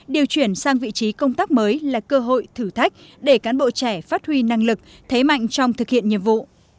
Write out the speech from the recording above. điều chuyển sang vị trí công tác mới là cơ hội thử thách để cán bộ trẻ phát huy năng lực thế mạnh trong thực hiện nhiệm vụ